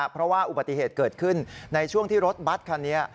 เพราะว่าอุบัติเหตุเกิดขึ้นในช่วงที่รถบัตรคันนี้